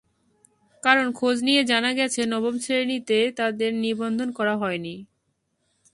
কারণ খোঁজ নিয়ে জানা গেছে, নবম শ্রেণীতে তাদের নিবন্ধন করা হয়নি।